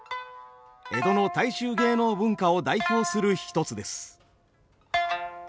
江戸の大衆芸能文化を代表する一つです。